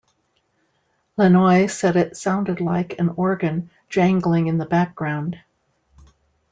Lanois said it sounded like an organ "jangling in the background".